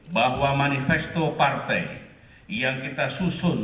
bahwa manifesto partai yang kita susun